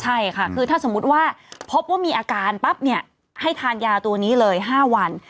ใช่ค่ะคือถ้าสมมุติว่าพบว่ามีอาการปั๊บเนี่ยให้ทานยาตัวนี้เลย๕วัน